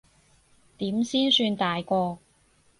點先算大個？